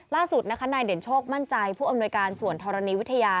ล่าสุดนะคะนายเด่นโชคมั่นใจผู้อำนวยการส่วนธรณีวิทยา